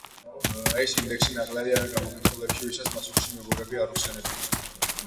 ეს ინდექსი ნაკლებია იმ გამოკითხულებში, ვისაც პასუხში მეგობრები არ უხსენებია.